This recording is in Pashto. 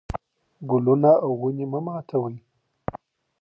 ګلونه او ونې مه ماتوئ.